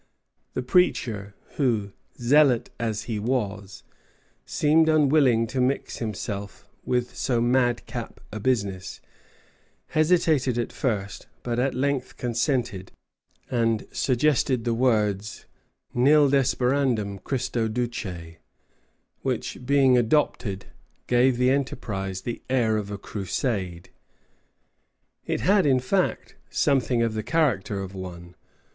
The preacher, who, zealot as he was, seemed unwilling to mix himself with so madcap a business, hesitated at first, but at length consented, and suggested the words, Nil desperandum Christo duce, which, being adopted, gave the enterprise the air of a crusade. It had, in fact, something of the character of one.